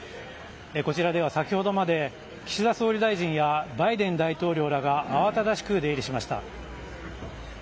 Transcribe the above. こちらでは先ほどまで岸田総理大臣やバイデン大統領らが慌ただしく出入りしました。